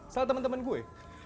salah temen temen gue